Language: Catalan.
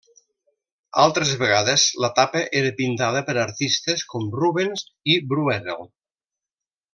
Altres vegades la tapa era pintada per artistes com Rubens i Brueghel.